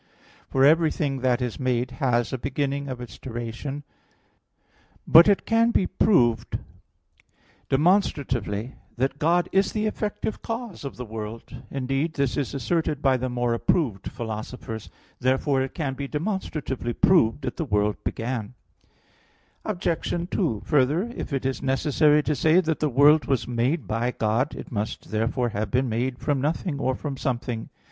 For everything that is made has a beginning of its duration. But it can be proved demonstratively that God is the effective cause of the world; indeed this is asserted by the more approved philosophers. Therefore it can be demonstratively proved that the world began. Obj. 2: Further, if it is necessary to say that the world was made by God, it must therefore have been made from nothing or from something.